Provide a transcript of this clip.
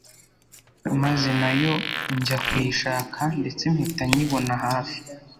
maze nayo njya kuyishaka ndetse mpita nyibona hafi